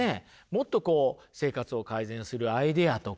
もっとこう生活を改善するアイデアとか。